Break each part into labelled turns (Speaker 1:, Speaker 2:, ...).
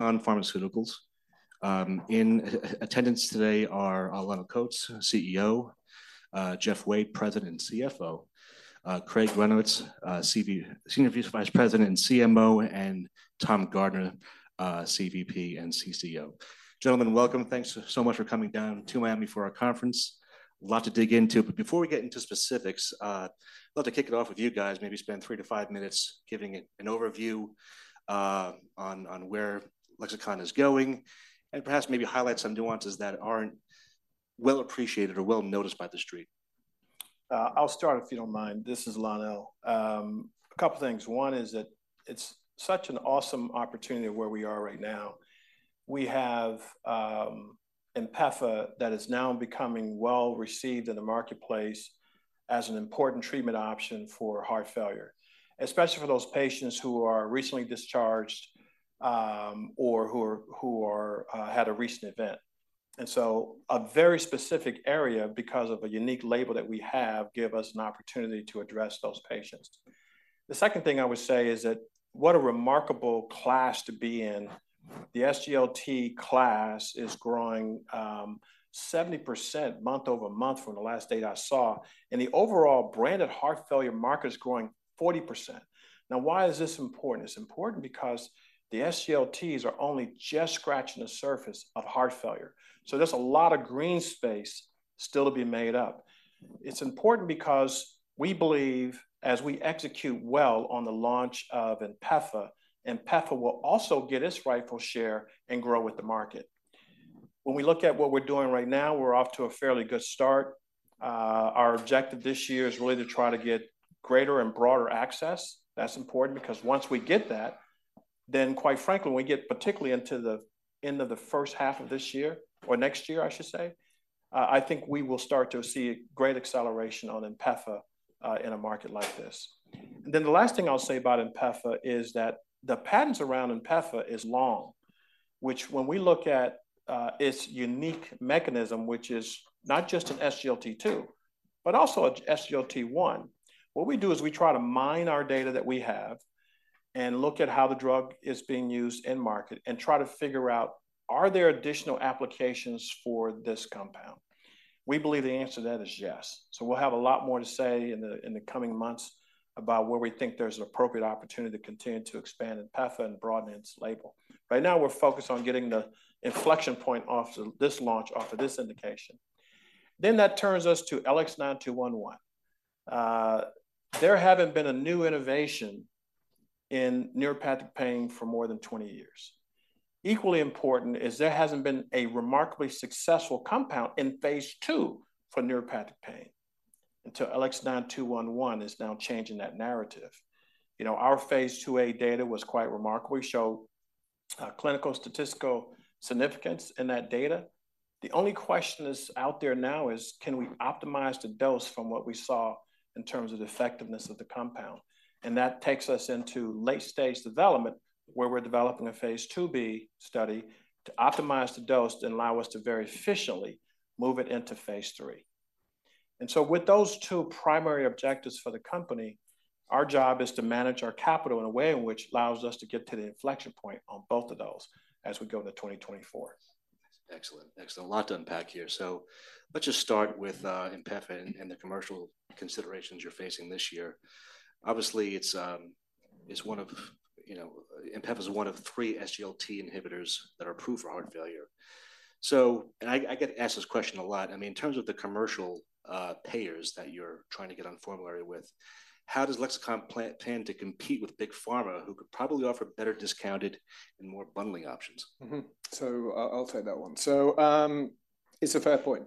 Speaker 1: On pharmaceuticals. In attendance today are Lonnel Coats, CEO, Jeff Wade, President and CFO, Craig Granowitz, SVP and CMO, and Tom Garner, SVP and CCO. Gentlemen, welcome. Thanks so much for coming down to Miami for our conference. A lot to dig into, but before we get into specifics, I'd love to kick it off with you guys. Maybe spend three to five minutes giving an overview on where Lexicon is going, and perhaps maybe highlight some nuances that aren't well appreciated or well noticed by the Street.
Speaker 2: I'll start, if you don't mind. This is Lonnel. A couple things. One is that it's such an awesome opportunity where we are right now. We have INPEFA that is now becoming well received in the marketplace as an important treatment option for heart failure, especially for those patients who are recently discharged, or who are, who are had a recent event. And so a very specific area, because of a unique label that we have, give us an opportunity to address those patients. The second thing I would say is that what a remarkable class to be in. The SGLT class is growing 70% month-over-month from the last data I saw, and the overall branded heart failure market is growing 40%. Now, why is this important? It's important because the SGLTs are only just scratching the surface of heart failure, so there's a lot of green space still to be made up. It's important because we believe as we execute well on the launch of INPEFA, INPEFA will also get its rightful share and grow with the market. When we look at what we're doing right now, we're off to a fairly good start. Our objective this year is really to try to get greater and broader access. That's important because once we get that, then quite frankly, when we get particularly into the end of the first half of this year, or next year, I should say, I think we will start to see great acceleration on INPEFA, in a market like this. Then the last thing I'll say about INPEFA is that the patents around INPEFA is long, which when we look at its unique mechanism, which is not just an SGLT2, but also a SGLT1, what we do is we try to mine our data that we have and look at how the drug is being used in market and try to figure out, are there additional applications for this compound? We believe the answer to that is yes. So we'll have a lot more to say in the coming months about where we think there's an appropriate opportunity to continue to expand INPEFA and broaden its label. Right now, we're focused on getting the inflection point off of this launch, off of this indication. Then that turns us to LX9211. There haven't been a new innovation in neuropathic pain for more than 20 years. Equally important is there hasn't been a remarkably successful compound in phase II for neuropathic pain, until LX9211 is now changing that narrative. You know, our phase II-A data was quite remarkable. We showed clinical statistical significance in that data. The only question is out there now is, can we optimize the dose from what we saw in terms of the effectiveness of the compound? And that takes us into late-stage development, where we're developing a phase II-B study to optimize the dose and allow us to very efficiently move it into phase III. And so with those two primary objectives for the company, our job is to manage our capital in a way in which allows us to get to the inflection point on both of those as we go into 2024.
Speaker 1: Excellent, excellent. A lot to unpack here. So let's just start with INPEFA and the commercial considerations you're facing this year. Obviously, it's one of-- you know, INPEFA is one of three SGLT inhibitors that are approved for heart failure. So... And I get asked this question a lot. I mean, in terms of the commercial payers that you're trying to get on formulary with, how does Lexicon plan to compete with Big Pharma, who could probably offer better discounted and more bundling options?
Speaker 3: So I, I'll take that one. So, it's a fair point.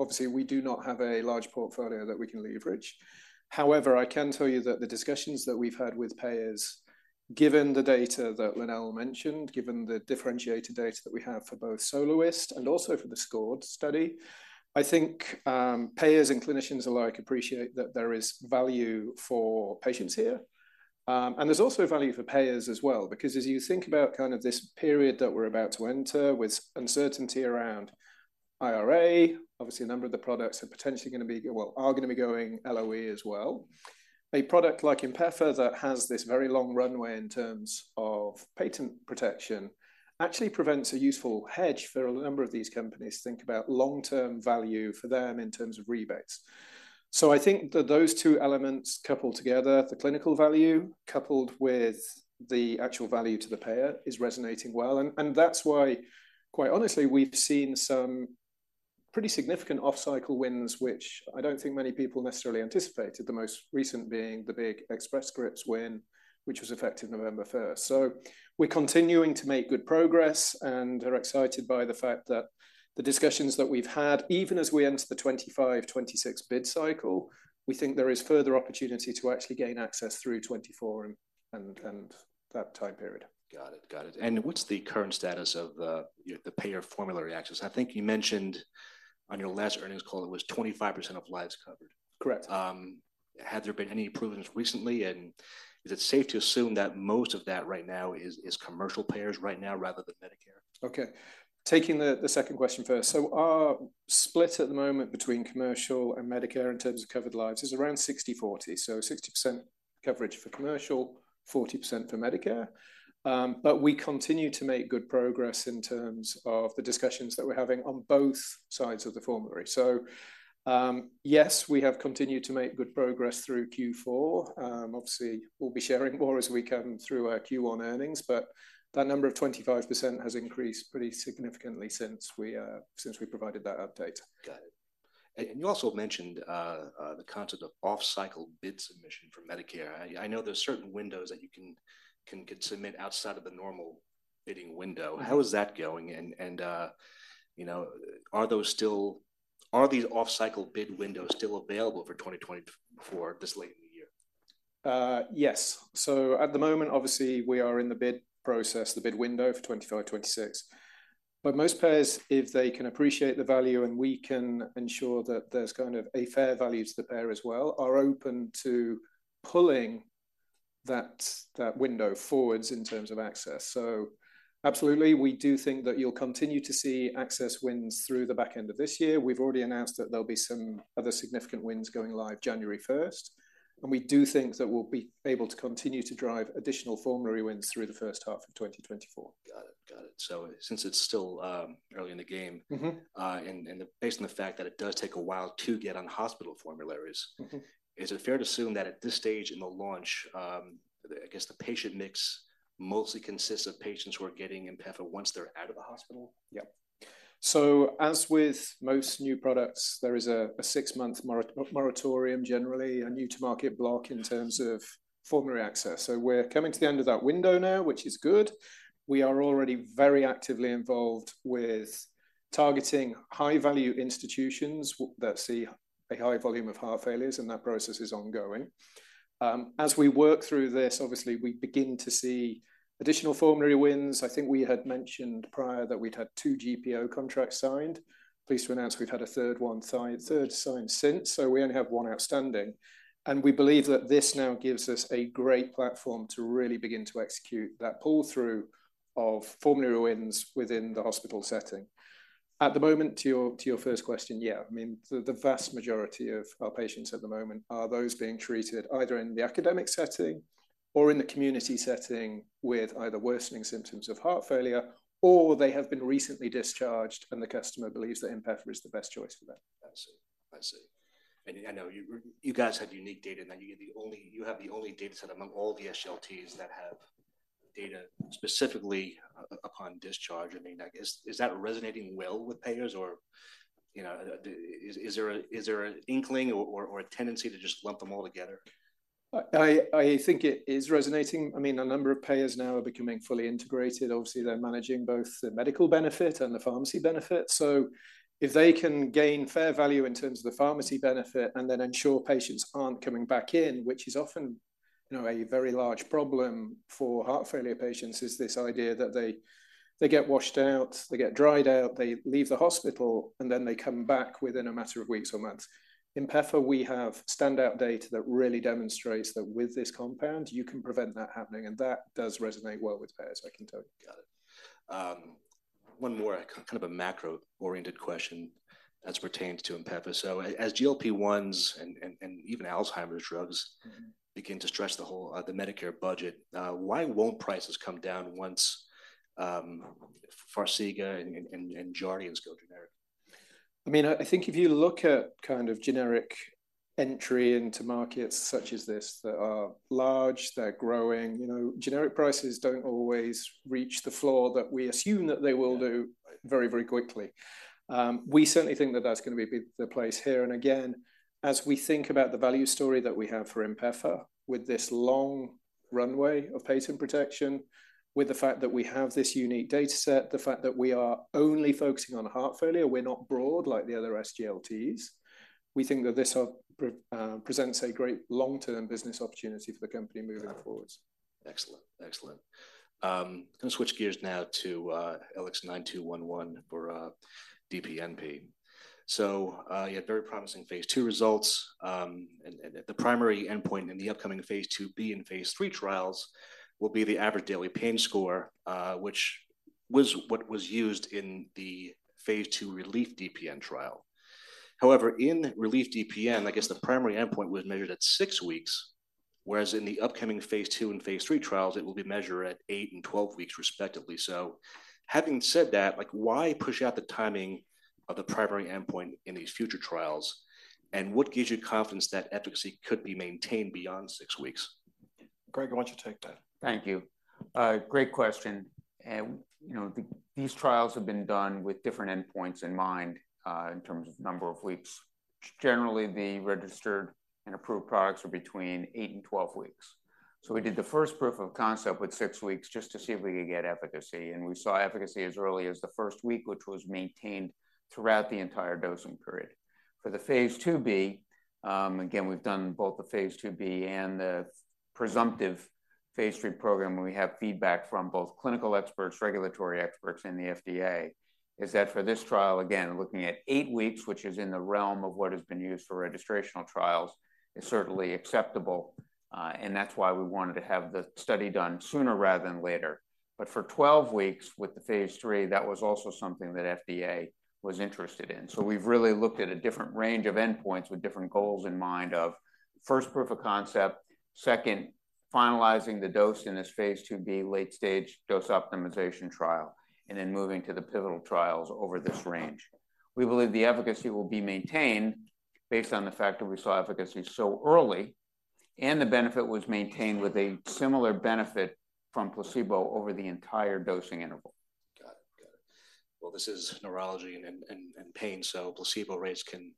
Speaker 3: Obviously, we do not have a large portfolio that we can leverage. However, I can tell you that the discussions that we've had with payers, given the data that Lonnel mentioned, given the differentiated data that we have for both SOLOIST and also for the SCORED study, I think, payers and clinicians alike appreciate that there is value for patients here. And there's also value for payers as well, because as you think about kind of this period that we're about to enter with uncertainty around IRA, obviously, a number of the products are potentially going to be, well, are going to be going LOE as well. A product like INPEFA that has this very long runway in terms of patent protection actually prevents a useful hedge for a number of these companies to think about long-term value for them in terms of rebates. So I think that those two elements coupled together, the clinical value coupled with the actual value to the payer, is resonating well. And that's why, quite honestly, we've seen some pretty significant off-cycle wins, which I don't think many people necessarily anticipated, the most recent being the big Express Scripts win, which was effective November 1. So we're continuing to make good progress and are excited by the fact that the discussions that we've had, even as we enter the 2025, 2026 bid cycle, we think there is further opportunity to actually gain access through 2024 and that time period.
Speaker 1: Got it. Got it. And what's the current status of the, the payer formulary access? I think you mentioned on your last earnings call, it was 25% of lives covered.
Speaker 3: Correct.
Speaker 1: Have there been any improvements recently? And is it safe to assume that most of that right now is commercial payers right now, rather than—
Speaker 3: Okay, taking the second question first. So our split at the moment between commercial and Medicare in terms of covered lives is around 60/40. So 60% coverage for commercial, 40% for Medicare. But we continue to make good progress in terms of the discussions that we're having on both sides of the formulary. So, yes, we have continued to make good progress through Q4. Obviously, we'll be sharing more as we can through our Q1 earnings, but that number of 25% has increased pretty significantly since we provided that update.
Speaker 1: Got it. And you also mentioned the concept of off-cycle bid submission for Medicare. I know there are certain windows that you can submit outside of the normal bidding window. How is that going? And you know, are these off-cycle bid windows still available for 2024 this late in the year?
Speaker 3: Yes. So at the moment, obviously, we are in the bid process, the bid window for 2025, 2026. But most payers, if they can appreciate the value, and we can ensure that there's kind of a fair value to the payer as well, are open to pulling that window forwards in terms of access. So absolutely, we do think that you'll continue to see access wins through the back end of this year. We've already announced that there'll be some other significant wins going live January first, and we do think that we'll be able to continue to drive additional formulary wins through the first half of 2024.
Speaker 1: Got it. Got it. So since it's still early in the game based on the fact that it does take a while to get on hospital formularies. Is it fair to assume that at this stage in the launch, I guess the patient mix mostly consists of patients who are getting INPEFA once they're out of the hospital?
Speaker 3: Yep. So as with most new products, there is a six-month moratorium, generally, a new-to-market block in terms of formulary access. So we're coming to the end of that window now, which is good. We are already very actively involved with targeting high-value institutions that see a high volume of heart failures, and that process is ongoing. As we work through this, obviously, we begin to see additional formulary wins. I think we had mentioned prior that we'd had two GPO contracts signed. Pleased to announce we've had a third one signed, third signed since, so we only have one outstanding. And we believe that this now gives us a great platform to really begin to execute that pull-through of formulary wins within the hospital setting. At the moment, to your first question, yeah, I mean, the vast majority of our patients at the moment are those being treated either in the academic setting or in the community setting with either worsening symptoms of heart failure, or they have been recently discharged, and the customer believes that INPEFA is the best choice for them.
Speaker 1: I see. I see. And I know you guys have unique data, and that you're the only, you have the only data set among all the SGLTs that have data specifically upon discharge. I mean, like, is that resonating well with payers, or, you know, is there an inkling or a tendency to just lump them all together?
Speaker 3: I think it is resonating. I mean, a number of payers now are becoming fully integrated. Obviously, they're managing both the medical benefit and the pharmacy benefit. So if they can gain fair value in terms of the pharmacy benefit and then ensure patients aren't coming back in, which is often, you know, a very large problem for heart failure patients, is this idea that they get washed out, they get dried out, they leave the hospital, and then they come back within a matter of weeks or months. INPEFA, we have standout data that really demonstrates that with this compound, you can prevent that happening, and that does resonate well with payers, I can tell you.
Speaker 1: Got it. One more kind of a macro-oriented question as it pertains to INPEFA. So as GLP-1s and even Alzheimer's drugs begin to stretch the whole, the Medicare budget, why won't prices come down once Farxiga and Jardiance go generic?
Speaker 3: I mean, I think if you look at kind of generic entry into markets such as this, that are large, they're growing, you know, generic prices don't always reach the floor that we assume that they will do very, very quickly. We certainly think that that's going to be the place here. And again, as we think about the value story that we have for INPEFA, with this long runway of patient protection, with the fact that we have this unique data set, the fact that we are only focusing on heart failure, we're not broad like the other SGLTs, we think that this presents a great long-term business opportunity for the company moving forward.
Speaker 1: Got it. Excellent, excellent. Let me switch gears now to LX9211 for DPNP. So, you had very promising phase II results, and the primary endpoint in the upcoming phase II-B and phase III trials will be the average daily pain score, which was what was used in the phase II RELIEF-DPN trial. However, in RELIEF-DPN, I guess the primary endpoint was measured at six weeks, whereas in the upcoming phase II and phase III trials, it will be measured at eight and 12 weeks, respectively. So having said that, like, why push out the timing of the primary endpoint in these future trials, and what gives you confidence that efficacy could be maintained beyond six weeks?
Speaker 3: Craig, why don't you take that?
Speaker 4: Thank you. Great question. And, you know, these trials have been done with different endpoints in mind, in terms of number of weeks. Generally, the registered and approved products are between 8 and 12 weeks. So we did the first proof of concept with 6 weeks just to see if we could get efficacy, and we saw efficacy as early as the first week, which was maintained throughout the entire dosing period. For the phase II-B, again, we've done both the phase II-B and the presumptive phase III program, and we have feedback from both clinical experts, regulatory experts, and the FDA, is that for this trial, again, looking at 8 weeks, which is in the realm of what has been used for registrational trials, is certainly acceptable. And that's why we wanted to have the study done sooner rather than later. But for 12 weeks with the phase III, that was also something that FDA was interested in. So we've really looked at a different range of endpoints with different goals in mind of, first, proof of concept. Second, finalizing the dose in this phase II-B late-stage dose optimization trial, and then moving to the pivotal trials over this range. We believe the efficacy will be maintained based on the fact that we saw efficacy so early, and the benefit was maintained with a similar benefit from placebo over the entire dosing interval.
Speaker 1: Got it. Got it. Well, this is neurology and pain, so placebo rates can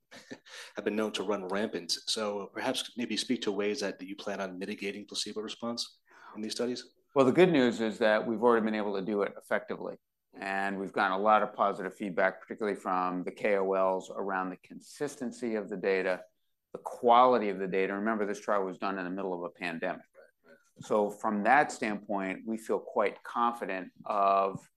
Speaker 1: have been known to run rampant. So perhaps maybe speak to ways that you plan on mitigating placebo response in these studies?
Speaker 4: Well, the good news is that we've already been able to do it effectively, and we've gotten a lot of positive feedback, particularly from the KOLs, around the consistency of the data, the quality of the data. Remember, this trial was done in the middle of a pandemic. So from that standpoint, we feel quite confident of the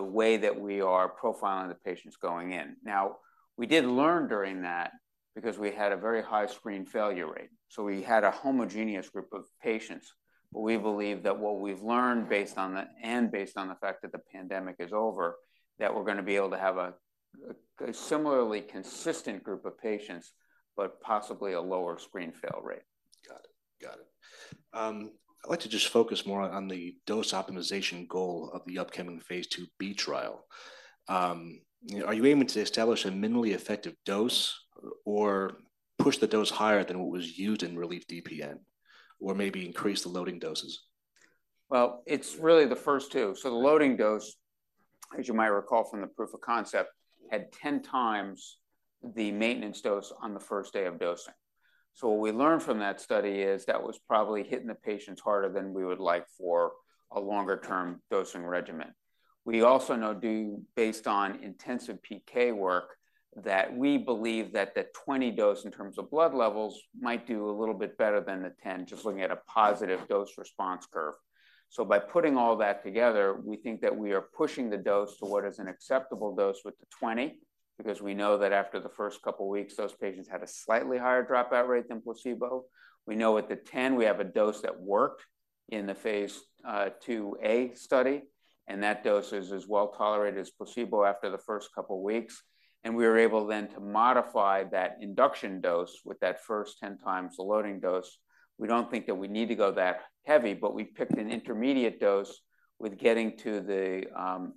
Speaker 4: way that we are profiling the patients going in. Now, we did learn during that because we had a very high screen failure rate, so we had a homogeneous group of patients. But we believe that what we've learned, based on the and based on the fact that the pandemic is over, that we're going to be able to have a similarly consistent group of patients, but possibly a lower screen fail rate.
Speaker 1: Got it. Got it. I'd like to just focus more on the dose optimization goal of the upcoming phase II-B trial. Are you aiming to establish a minimally effective dose, or push the dose higher than what was used in RELIEF-DPN, or maybe increase the loading doses?
Speaker 4: Well, it's really the first two. So the loading dose, as you might recall from the proof of concept, had 10 times the maintenance dose on the first day of dosing. So what we learned from that study is that was probably hitting the patients harder than we would like for a longer-term dosing regimen. We also know based on intensive PK work, that we believe that the 20 dose, in terms of blood levels, might do a little bit better than the 10, just looking at a positive dose-response curve. So by putting all that together, we think that we are pushing the dose to what is an acceptable dose with the 20, because we know that after the first couple weeks, those patients had a slightly higher dropout rate than placebo. We know with the 10, we have a dose that worked in the phase II-A study, and that dose is as well-tolerated as placebo after the first couple weeks, and we were able then to modify that induction dose with that first 10 times the loading dose. We don't think that we need to go that heavy, but we picked an intermediate dose with getting to the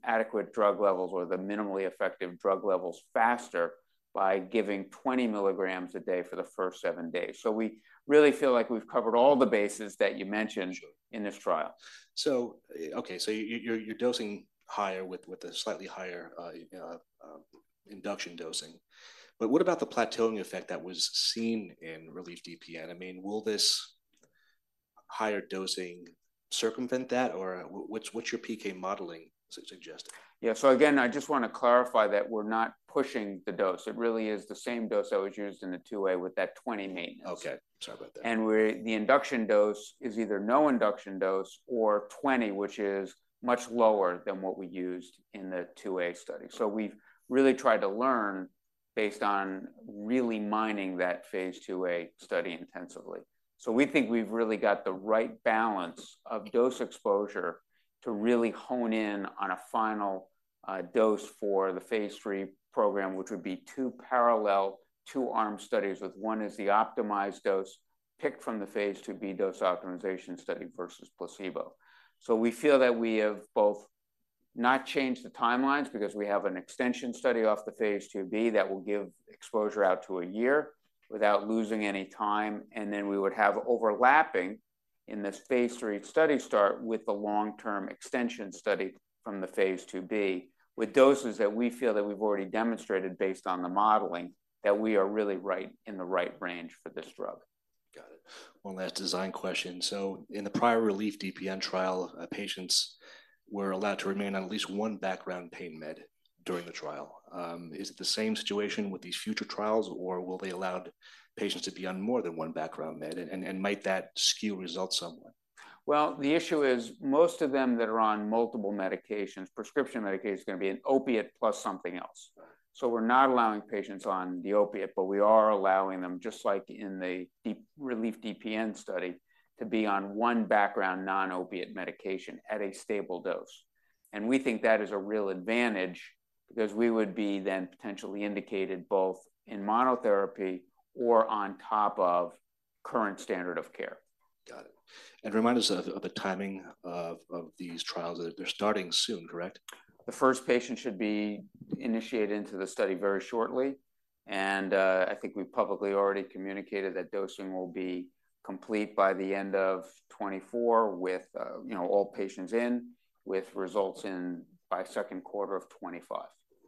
Speaker 4: adequate drug levels or the minimally effective drug levels faster by giving 20 milligrams a day for the first 7 days. So we really feel like we've covered all the bases that you mentioned in this trial.
Speaker 1: So, okay, so you're dosing higher with a slightly higher induction dosing. But what about the plateauing effect that was seen in RELIEF-DPN? I mean, will this higher dosing circumvent that, or what's your PK modeling suggest?
Speaker 4: Yeah. So again, I just want to clarify that we're not pushing the dose. It really is the same dose that was used in the II-A with that 20 maintenance.
Speaker 1: Okay. Sorry about that.
Speaker 4: The induction dose is either no induction dose or 20, which is much lower than what we used in the II-A study. We've really tried to learn based on really mining that phase II-A study intensively. We think we've really got the right balance of dose exposure to really hone in on a final dose for the phase III program, which would be two parallel, two-arm studies, with one is the optimized dose picked from the phase II-B dose optimization study versus placebo. So we feel that we have both not changed the timelines, because we have an extension study off the phase II-B that will give exposure out to a year without losing any time, and then we would have overlapping in this phase III study start with the long-term extension study from the phase II-B, with doses that we feel that we've already demonstrated, based on the modeling, that we are really right in the right range for this drug.
Speaker 1: Got it. One last design question. So in the prior RELIEF-DPN trial, patients were allowed to remain on at least one background pain med during the trial. Is it the same situation with these future trials, or were they allowed patients to be on more than one background med, and, and might that skew results somewhat?
Speaker 4: Well, the issue is, most of them that are on multiple medications, prescription medications, is going to be an opiate plus something else.
Speaker 1: Right.
Speaker 4: So we're not allowing patients on the opiate, but we are allowing them, just like in the RELIEF-DPN study, to be on one background non-opiate medication at a stable dose. And we think that is a real advantage because we would be then potentially indicated both in monotherapy or on top of current standard of care.
Speaker 1: Got it. And remind us of, of the timing of, of these trials. They're starting soon, correct?
Speaker 4: The first patient should be initiated into the study very shortly, and I think we've publicly already communicated that dosing will be complete by the end of 2024, with you know, all patients in, with results in by second quarter of 2025.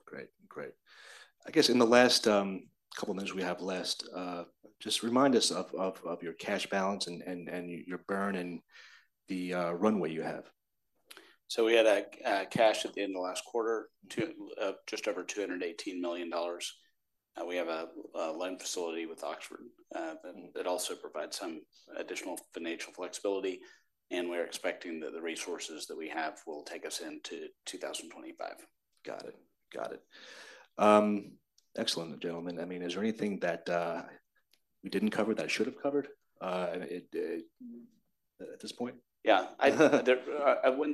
Speaker 1: Great. Great. I guess in the last couple of minutes we have left, just remind us of your cash balance and your burn and the runway you have.
Speaker 5: So we had cash at the end of the last quarter, just over $218 million. We have a loan facility with Oxford, and it also provides some additional financial flexibility, and we're expecting that the resources that we have will take us into 2025.
Speaker 1: Got it. Got it. Excellent, gentlemen. I mean, is there anything that we didn't cover that should have covered it at this point?
Speaker 5: Yeah.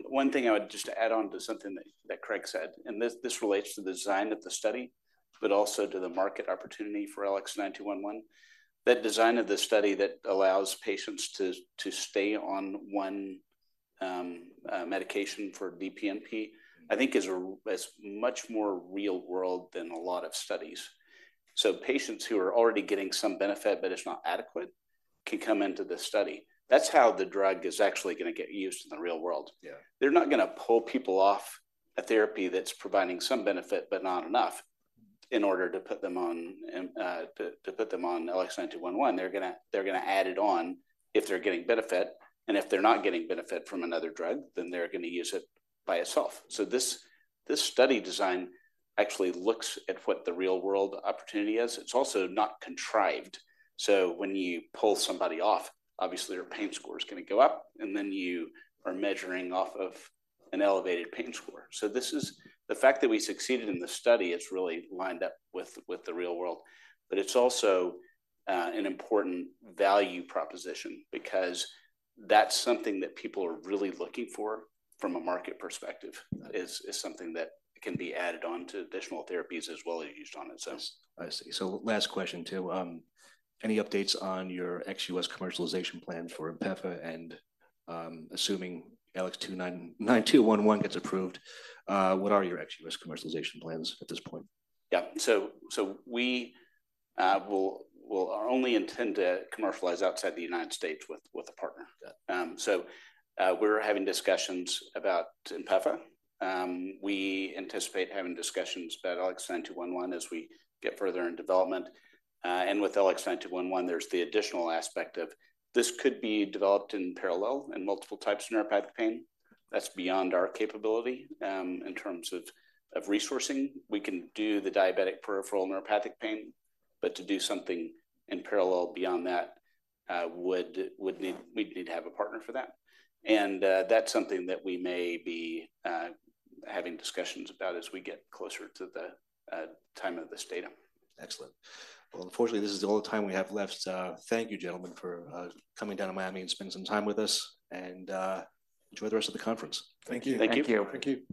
Speaker 5: One thing I would just add on to something that Craig said, and this relates to the design of the study, but also to the market opportunity for LX9211. That design of the study that allows patients to stay on one medication for DPNP, I think is much more real-world than a lot of studies. So patients who are already getting some benefit, but it's not adequate, can come into this study. That's how the drug is actually gonna get used in the real world.
Speaker 1: Yeah.
Speaker 5: They're not gonna pull people off a therapy that's providing some benefit, but not enough in order to put them on LX9211. They're gonna add it on if they're getting benefit, and if they're not getting benefit from another drug, then they're gonna use it by itself. So this study design actually looks at what the real world opportunity is. It's also not contrived, so when you pull somebody off, obviously their pain score is gonna go up, and then you are measuring off of an elevated pain score. So this is... The fact that we succeeded in the study, it's really lined up with the real world. But it's also an important value proposition because that's something that people are really looking for from a market perspective, is something that can be added on to additional therapies as well as used on its own.
Speaker 1: I see. So last question, too. Any updates on your ex-US commercialization plan for INPEFA and, assuming LX9211 gets approved, what are your ex-US commercialization plans at this point?
Speaker 5: Yeah. So we will only intend to commercialize outside the United States with a partner. So we're having discussions about INPEFA. We anticipate having discussions about LX9211 as we get further in development. And with LX9211, there's the additional aspect of this could be developed in parallel in multiple types of neuropathic pain. That's beyond our capability in terms of resourcing. We can do the diabetic peripheral neuropathic pain, but to do something in parallel beyond that, we'd need to have a partner for that. And that's something that we may be having discussions about as we get closer to the time of this data.
Speaker 1: Excellent. Well, unfortunately, this is all the time we have left. Thank you, gentlemen, for coming down to Miami and spending some time with us, and enjoy the rest of the conference.
Speaker 2: Thank you.
Speaker 5: Thank you.
Speaker 4: Thank you.